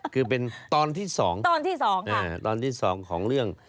คือเป็นตอนที่๒ตอนที่๒ตอนที่๒ของเรื่อง